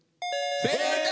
正解！